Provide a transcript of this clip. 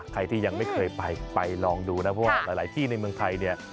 ใครที่ยังไม่เคยไปไปลองดูนะเพราะว่าหลายที่ในเมืองไทยเนี่ย